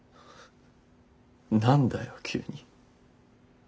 何だよ急に。